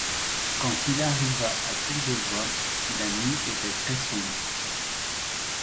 Quand il arriva à Courbevoie, la nuit était très-sombre.